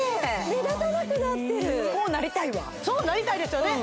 目立たなくなってるこうなりたいわそうなりたいですよね